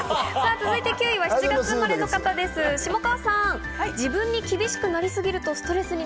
続いて９位は７月生まれ、下川さんです。